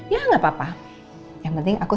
ya nggak apa apa yang penting aku